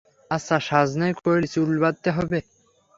আচ্ছা, সাজ নাই করলি চুল তো বাঁধতে হবে!